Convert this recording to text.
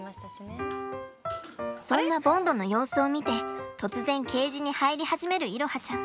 そんなボンドの様子を見て突然ケージに入り始める彩羽ちゃん。